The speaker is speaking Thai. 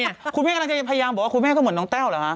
คุณแม่กำลังจะพยายามบอกว่าคุณแม่ก็เหมือนน้องแต้วเหรอฮะ